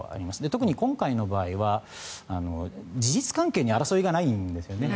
特に今回の場合は事実関係に争いがないんですね。